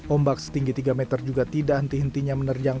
ombak setinggi tiga meter juga tidak henti hentinya menerjang